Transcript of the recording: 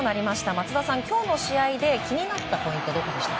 松田さん、今日の試合で気になったポイントは？